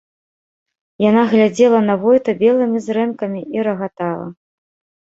Яна глядзела на войта белымі зрэнкамі і рагатала.